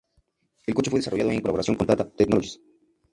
El coche fue desarrollado en colaboración con Tata Technologies.